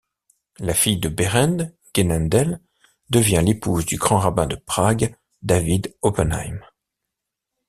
La fille de Behrend, Genendel, devient l'épouse du grand rabbin de Prague, David Oppenheim.